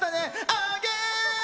あげ！